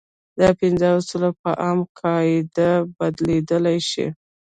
دا پنځه اصول په عامې قاعدې بدلېدلی شي.